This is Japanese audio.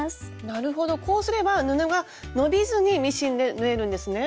なるほどこうすれば布が伸びずにミシンで縫えるんですね。